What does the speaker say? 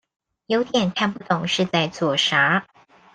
有點看不懂是在做啥